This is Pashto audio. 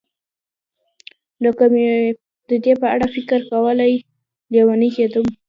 نو که مې د دې په اړه فکر کولای، لېونی کېدم.